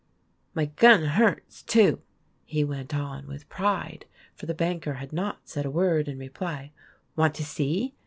" My gun hurts, too !" he went on, with pride (for the banker had not said a word in reply). "Want to see?"